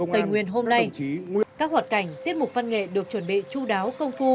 tây nguyên hôm nay các hoạt cảnh tiết mục văn nghệ được chuẩn bị chú đáo công phu